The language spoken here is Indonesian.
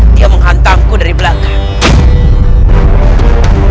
dia menghantamku dari belakang